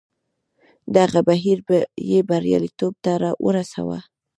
دغه بهیر یې بریالیتوب ته ورساوه.